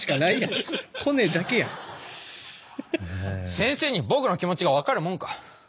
先生に僕の気持ちが分かるもんか。